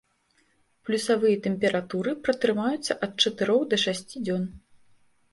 Плюсавыя тэмпературы пратрымаюцца ад чатырох да шасці дзён.